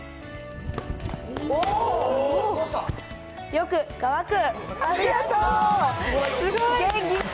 よく乾く。